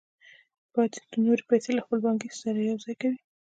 پاتې نورې پیسې له خپلې پانګې سره یوځای کوي